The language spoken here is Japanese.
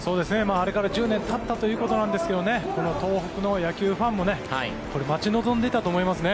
あれから１０年たったということですが東北の野球ファンも待ち望んでいたと思いますね。